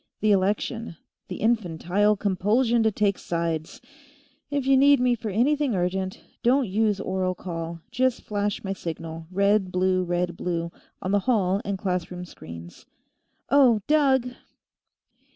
The election; the infantile compulsion to take sides. If you need me for anything urgent, don't use oral call. Just flash my signal, red blue red blue, on the hall and classroom screens. Oh, Doug!"